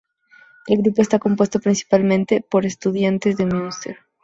El grupo está compuesto principalmente por estudiantes de Münster.